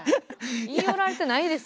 言い寄られてないです。